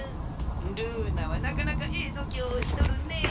ルーナはなかなかええどきょうをしとるねえ。